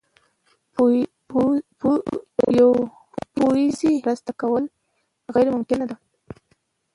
پوځي مرستې کول غیر ممکنه ده.